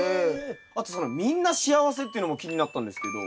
あとその「みんな幸せ」っていうのも気になったんですけど。